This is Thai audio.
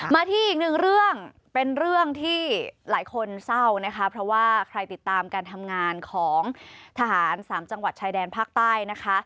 มาที่อีกหนึ่งเรื่องเป็นเรื่องที่หลายคนเศร้านะคะเพราะว่าใครติดตามการทำงานของทหารสามจังหวัดชายแดนภาคใต้นะคะ